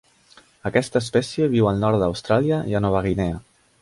Aquesta espècie viu al nord d'Austràlia i a Nova Guinea.